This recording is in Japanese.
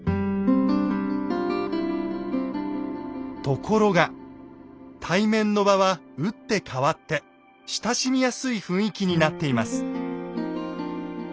ところが対面の場は打って変わって親しみやすい雰囲気になっています。